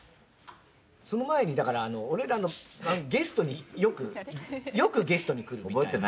その前にだから俺らのゲストによくよくゲストに来るみたいな。